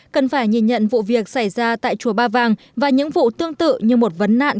cần phải nhìn nhận vụ việc xảy ra tại chùa ba vàng và những vụ tương tự như một vấn nạn